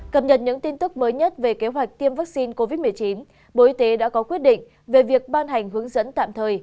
cập nhật những tin tức mới nhất về kế hoạch tiêm vaccine covid một mươi chín bộ y tế đã có quyết định về việc ban hành hướng dẫn tạm thời